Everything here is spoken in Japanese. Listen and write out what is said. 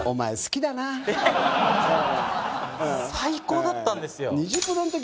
最高だったんですよ。